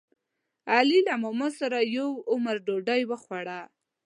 علي له ماماسره یو عمر ډوډۍ وخوړه.